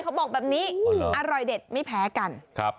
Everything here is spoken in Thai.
เขาบอกแบบนี้อร่อยเด็ดไม่แพ้กันครับ